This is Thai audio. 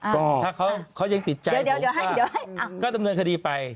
ก็เดี๋ยวเดี๋ยวให้เขายังติดใจผมว่าก็ทำเนินคดีไป